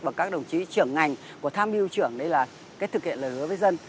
và các đồng chí trưởng ngành của tham mưu trưởng đây là cái thực hiện lời hứa với dân